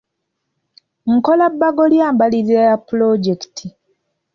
Nkola bbago lya mbalirira ya pulojekiti.